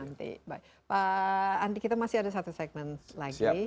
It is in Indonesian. nanti kita masih ada satu segmen lagi